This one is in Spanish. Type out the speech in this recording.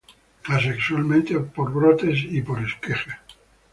Asexualmente, por brotes y por esquejes.